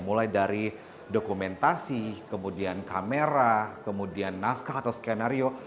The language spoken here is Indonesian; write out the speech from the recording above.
mulai dari dokumentasi kemudian kamera kemudian naskah atau skenario